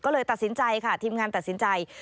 ก็เลยตัดสินใจค่ะทีมงานตัดสินใจ